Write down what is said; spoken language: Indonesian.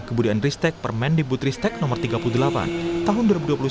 kemudian ristek permendikbutristek no tiga puluh delapan tahun dua ribu dua puluh satu